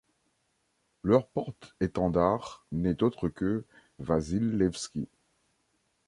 Leur porte-étendard n’est autre que Vasil Levski.